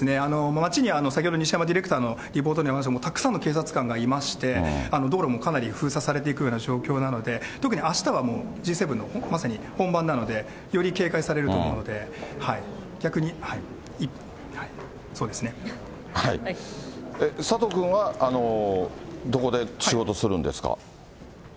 街には、先ほど西山ディレクターのリポートにもありましたけれども、たくさんの警察官いまして、道路もかなり封鎖されていくような状況なので、特にあしたはもう、Ｇ７のまさに本番なので、より警戒されると思うので、逆に、佐藤君は、どこで仕事するんですか？